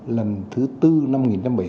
lần thứ bốn năm một nghìn chín trăm bảy mươi sáu